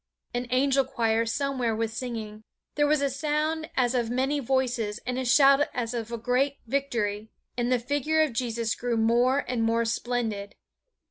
An Angel Choir somewhere was singing. There was a sound as of many voices and a shout as of a great victory. And the figure of Jesus grew more and more splendid.